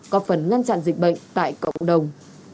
có phần ngăn chặn dịch bệnh tại cộng đồng